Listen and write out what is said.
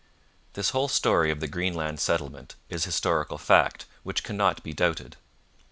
This whole story of the Greenland settlement is historical fact which cannot be doubted.